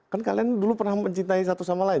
kan kalian dulu pernah mencintai satu sama lain